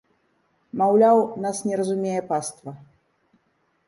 Маўляў, нас не зразумее паства.